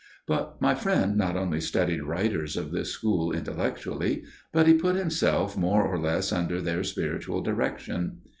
"But my friend not only studied writers of this school intellectually, but he put himself more or less under their spiritual direction.